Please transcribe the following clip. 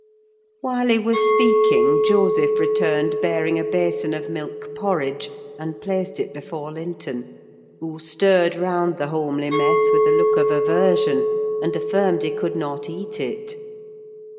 While he was speaking, Joseph returned bearing a basin of milk porridge, and placed it before Linton: who stirred round the homely mess with a look of aversion, and affirmed he could not eat it.